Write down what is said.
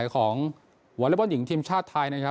ของวอเล็กบอลหญิงทีมชาติไทยนะครับ